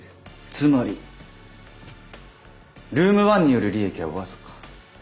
つまりルーム１による利益は僅か２％。